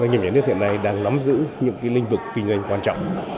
hiện nay đang nắm giữ những linh vực kinh doanh quan trọng